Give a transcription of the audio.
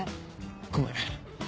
ごめん。